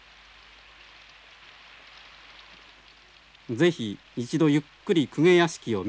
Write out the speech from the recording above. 是非一度ゆっくり公家屋敷を見てみたい。